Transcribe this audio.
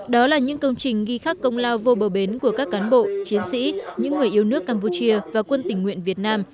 đó là những công trình ghi khắc công lao vô bờ bến của các cán bộ chiến sĩ những người yêu nước campuchia và quân tình nguyện việt nam